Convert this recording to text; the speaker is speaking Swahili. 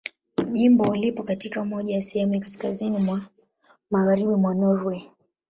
Jimbo lipo katika moja ya sehemu za kaskazini mwa Magharibi mwa Norwei.